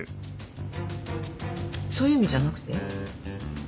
そういう意味じゃなくて？